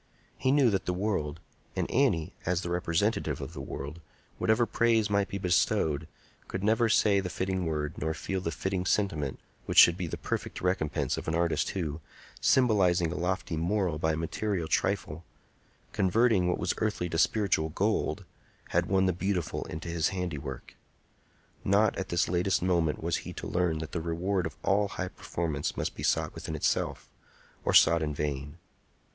He knew that the world, and Annie as the representative of the world, whatever praise might be bestowed, could never say the fitting word nor feel the fitting sentiment which should be the perfect recompense of an artist who, symbolizing a lofty moral by a material trifle,—converting what was earthly to spiritual gold,—had won the beautiful into his handiwork. Not at this latest moment was he to learn that the reward of all high performance must be sought within itself, or sought in vain.